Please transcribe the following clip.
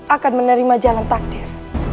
akan menerima jalan takdir